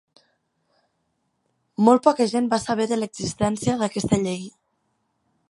Molt poca gent va saber de l'existència d'aquesta llei.